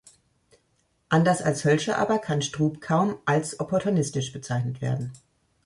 Anders als Hoelscher aber, kann Strub kaum als opportunistisch bezeichnet werden.